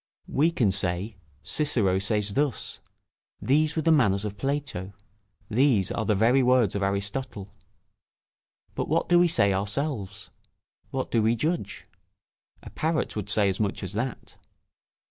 ] We can say, Cicero says thus; these were the manners of Plato; these are the very words of Aristotle: but what do we say ourselves? What do we judge? A parrot would say as much as that.